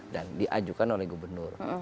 dan diajukan oleh gubernur